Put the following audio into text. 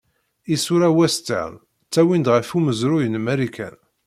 Isura western ttawin-d ɣef umezruy n Marikan.